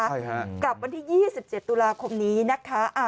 ใช่ฮะกลับวันที่๒๗ตุลาคมนี้นะคะ